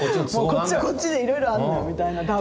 こっちはこっちでいろいろあるんだみたいな多分。